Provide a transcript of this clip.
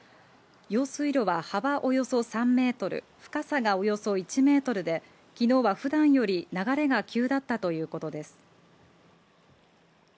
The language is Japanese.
用水路は幅およそ３メートル、深さがおよそ１メートルで、昨日は普段より流れが急だったということです。